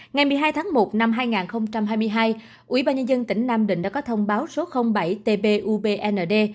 ngày một mươi hai tháng một năm hai nghìn hai mươi hai ubnd tỉnh nam định đã có thông báo số bảy tpd